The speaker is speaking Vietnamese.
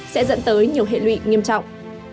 sẽ dẫn tới nhiều hệ lụy nghiêm trọng